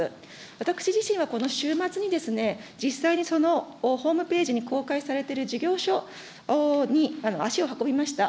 私自身はこの週末に、実際にそのホームページに公開されている事業所に足を運びました。